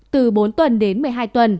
từ bốn tuần đến một mươi hai tuần